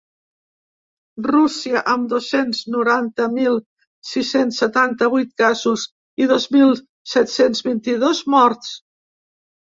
Rússia, amb dos-cents noranta mil sis-cents setanta-vuit casos i dos mil set-cents vint-i-dos morts.